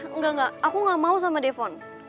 enggak enggak aku gak mau sama defon